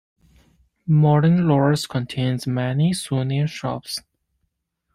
Modern Lourdes contains many souvenir shops.